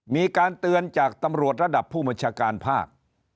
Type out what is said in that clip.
มีการเตือนจากตำรวจระดับผู้บัญชาการภาค